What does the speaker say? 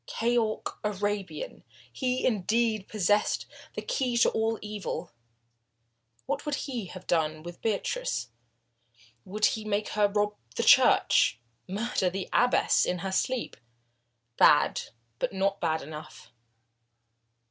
Keyork Arabian! He, indeed, possessed the key to all evil. What would he have done with Beatrice? Would he make her rob the church murder the abbess in her sleep? Bad, but not bad enough.